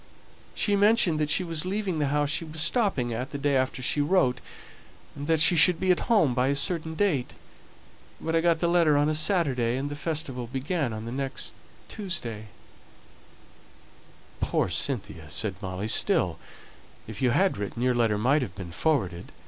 She mentioned that she was leaving the house she was stopping at the day after she wrote, and that she should be at home by a certain date; but I got the letter on a Saturday, and the festival began the next Tuesday " "Poor Cynthia!" said Molly. "Still, if you had written, your letter might have been forwarded.